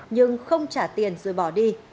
nhưng không trả tiền rồi bỏ đi